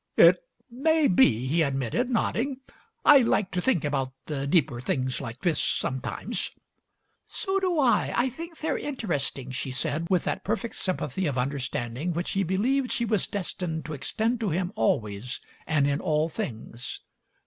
"It may be," he admitted, nodding. "I like to think about the deeper things like this sometimes." "So do I. I think they're interesting," she said with that perfect sympathy of understanding which he believed she was destined to extend to him always and in all things.